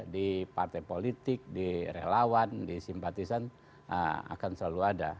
di partai politik di relawan di simpatisan akan selalu ada